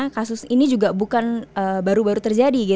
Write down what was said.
kasus ini juga bukan baru baru terjadi